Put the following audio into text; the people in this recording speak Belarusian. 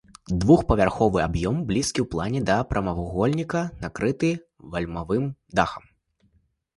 Двухпавярховы аб'ём блізкі ў плане да прамавугольніка, накрыты вальмавым дахам.